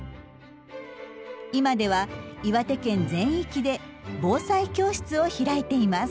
今では岩手県全域で防災教室を開いています。